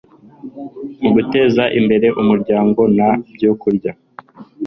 mu guteza imbere umuryango Nta byokurya